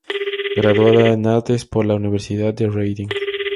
Graduada en Artes por la Universidad de Reading.